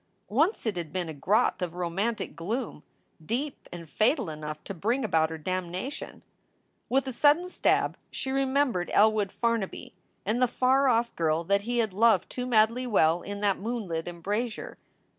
Once it had been a grot of romantic gloom, deep and fatal enough to bring about her damnation. With a sudden stab she remembered Elwood Farnaby and the far off girl that he had loved too madly well in that moonlit embrasure.